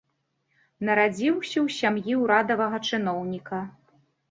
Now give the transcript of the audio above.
Нарадзіўся ў сям'і ўрадавага чыноўніка.